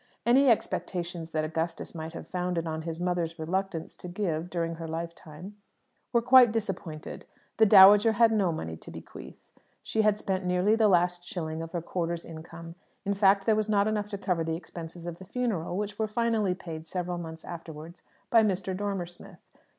Any expectations that Augustus might have founded on his mother's reluctance to give during her lifetime were quite disappointed. The dowager had no money to bequeath. She had spent nearly the last shilling of her quarter's income. In fact, there was not enough to cover the expenses of the funeral, which were finally paid several months afterwards by Mr. Dormer Smith.